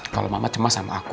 kalau mama cemas sama aku